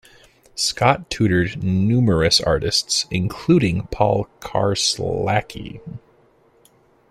Scott tutored numerous artists including Paul Karslake.